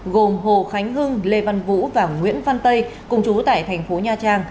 gồm hồ khánh hưng lê văn vũ và nguyễn văn tây cùng chú tại thành phố nha trang